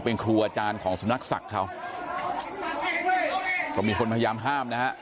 เป็นครูอาจารย์ของสำนักศักดิ์เขาก็มีคนพยายามห้ามนะฮะ